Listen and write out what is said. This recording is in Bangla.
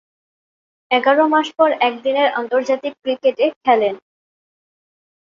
এগার মাস পর একদিনের আন্তর্জাতিক ক্রিকেটে খেলেন।